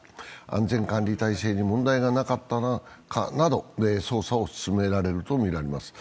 安全管理体制に問題がなかったかなど捜査を進めるとみられます。